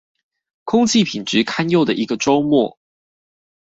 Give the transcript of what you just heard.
空氣品質堪憂的一個週末